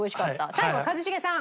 最後は一茂さん